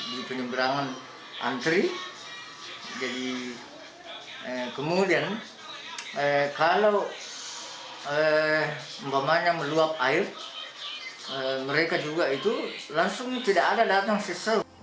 di penyeberangan antri jadi kemudian kalau meluap air mereka juga itu langsung tidak ada datang